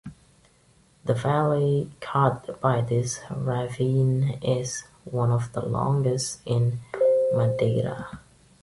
The valley cut by this ravine is one of the longest in Madeira.